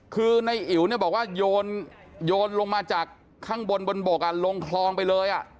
คือในอิ๋วเนี่ยบอกว่าโยนลงมาจากข้างบนบนบกลงคลองไปเลย